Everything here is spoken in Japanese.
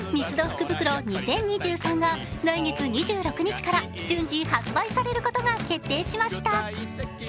福袋２０２３が来月２６日から順次発売されることが決定しました。